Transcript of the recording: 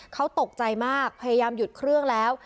เขาตกใจมากพยายามหยุดเครื่องแล้ว